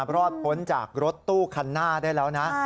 รอดพ้นจากรถตู้คันหน้าได้แล้วนะ